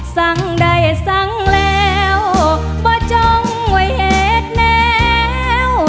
สั่งได้สั่งแล้วบ่จ้องไว้เหตุแล้ว